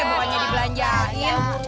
hei bukannya dibelanjain